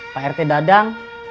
pak rt dadang